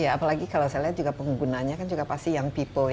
iya apalagi kalau saya lihat juga penggunaannya kan juga pasti yang orang tua ya